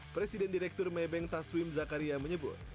presiden direktur mebeng taswim zakaria menyebut